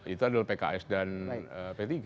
itu adalah pks dan p tiga